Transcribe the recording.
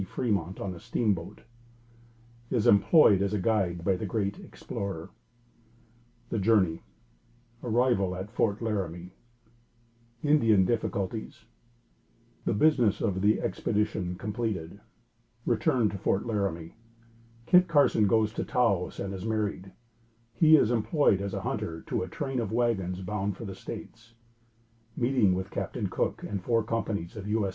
Fremont on a Steamboat Is employed as a Guide by the Great Explorer The Journey Arrival at Fort Laramie Indian Difficulties The business of the Expedition completed Return to Fort Laramie Kit Carson goes to Taos and is married He is employed as Hunter to a Train of Wagons bound for the States Meeting with Captain Cook and four companies of U.S.